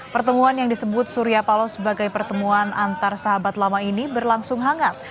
pertemuan yang disebut surya palo sebagai pertemuan antar sahabat lama ini berlangsung hangat